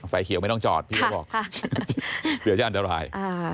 ไฟเขียวไม่ต้องจอดเผื่อจะอันโดราย